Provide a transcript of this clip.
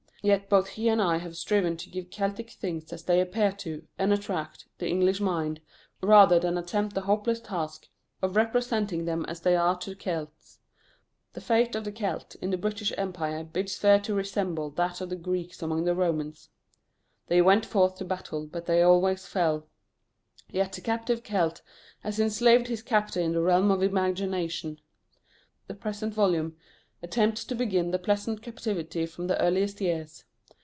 Yet both he and I have striven to give Celtic things as they appear to, and attract, the English mind, rather than attempt the hopeless task of representing them as they are to Celts. The fate of the Celt in the British Empire bids fair to resemble that of the Greeks among the Romans. "They went forth to battle, but they always fell," yet the captive Celt has enslaved his captor in the realm of imagination. The present volume attempts to begin the pleasant captivity from the earliest years.